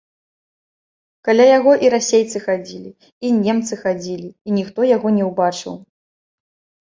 Каля яго і расейцы хадзілі, і немцы хадзілі, і ніхто яго не ўбачыў.